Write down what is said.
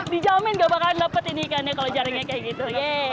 dijamin gak bakalan dapat ini ikannya kalau jaringnya kayak gitu